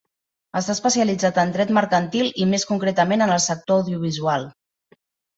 Està especialitzat en dret mercantil i més concretament en el sector audiovisual.